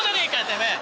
てめえ！